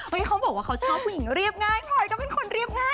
เขาบอกว่าเขาชอบผู้หญิงเรียบง่ายพลอยก็เป็นคนเรียบง่าย